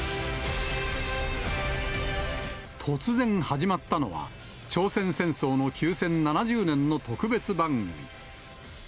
突然始まったのは、朝鮮戦争の休戦７０年の特別番組。